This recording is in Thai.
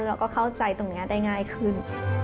เราก็เข้าใจตรงนี้ได้ง่ายขึ้น